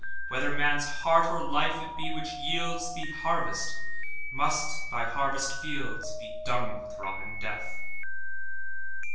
Whether man's heart or life it be which yieldsThee harvest, must Thy harvest fieldsBe dunged with rotten death?